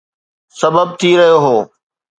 سبب ٿي رهيو هو